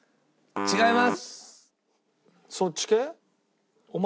違います。